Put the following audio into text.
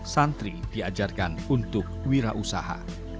santri diajarkan untuk wirausaha